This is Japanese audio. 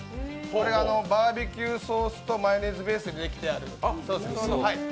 これ、バーベキューソースとマヨネーズベースでできているソースです。